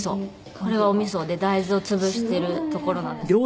これはお味噌で大豆を潰してるところなんですけど。